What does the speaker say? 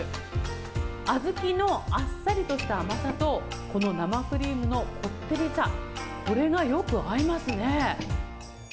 小豆のあっさりとした甘さと、この生クリームのこってりさ、これがよく合いますね。